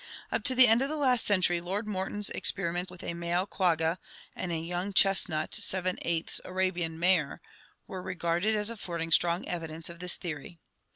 Up to the end of last century Lord Morton's experiments with a male quagga and a young chestnut seven eighths Arabian mare were regarded as affording strong evidence of this theory.